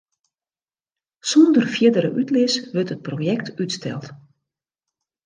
Sûnder fierdere útlis wurdt it projekt útsteld.